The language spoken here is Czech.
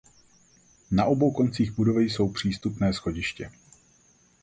Na obou koncích budovy jsou přístupné schodiště.